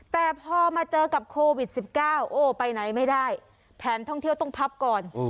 แต่พอมาเจอกับโควิด๑๙โอ้ไปไหนไม่ได้แผนท่องเที่ยวต้องพับก่อน